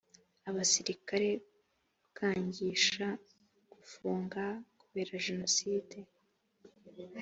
abasirikare gukangisha gufunga kubera jenoside